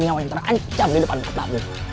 pada waktu yang terancam di depan kapal